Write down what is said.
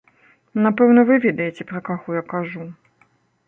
Напэўна, вы ведаеце, пра каго я кажу.